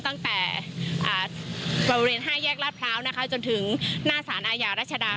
ตั้งแต่บริเวณ๕แยกลาดพร้าวนะคะจนถึงหน้าสารอาญารัชดา